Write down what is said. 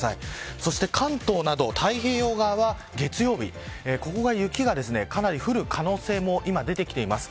そして関東など太平洋側は月曜日ここは雪が降る可能性が出てきています。